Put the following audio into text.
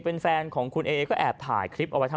เป็นแฟนของคุณเอกได้แอบถ่ายสักคน